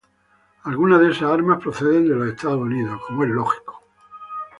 Algunas de esas armas proceden de los Estados Unidos.